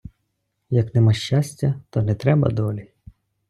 Як нема щастя, то не треба долі.